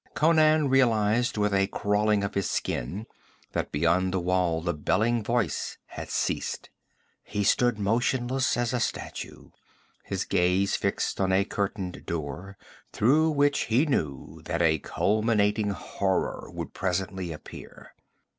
Conan realized with a crawling of his skin that beyond the wall the belling voice had ceased. He stood motionless as a statue, his gaze fixed on a curtained door through which he knew that a culminating horror would presently appear.